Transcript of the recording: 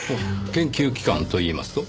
研究機関といいますと？